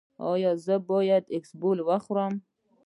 ایا زه باید کپسول وخورم؟